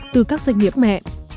từ các doanh nghiệp mẹ